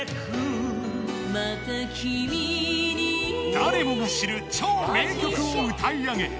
また君に誰もが知る超名曲を歌い上げ